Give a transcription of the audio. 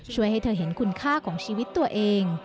ให้เธอเห็นคุณค่าของชีวิตตัวเอง